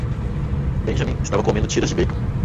Benjamin estava comendo tiras de bacon.